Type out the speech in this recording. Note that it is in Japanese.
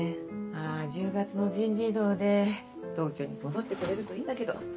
あ１０月の人事異動で東京に戻ってこれるといいんだけど。